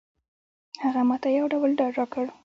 هغه ماته یو ډول ډاډ راکړ.